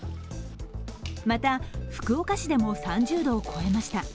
また福岡市でも、３０度を超えました。